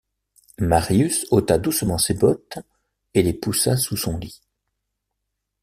Marius ôta doucement ses bottes et les poussa sous son lit.